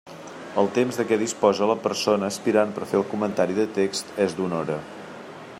El temps de què disposa la persona aspirant per fer el comentari de text és d'una hora.